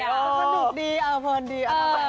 มันหนุ่มดีอ่ะมันดี